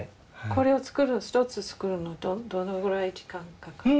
これを１つ作るのにどのぐらい時間かかる？